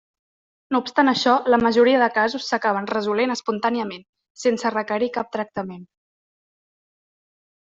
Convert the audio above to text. No obstant això, la majoria de casos s'acaben resolent espontàniament, sense requerir cap tractament.